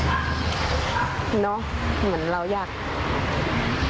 อยากช่วยเขาค่ะ